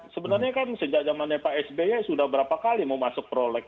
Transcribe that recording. sebenarnya kan sejak zamannya pak sby sudah berapa kali mau masuk proleg